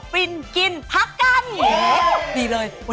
ใกล้กรุงเทพฯดูยโอ้โห